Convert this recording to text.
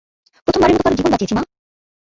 প্রথমবারের মতো কারো জীবন বাঁচিয়েছি, মা।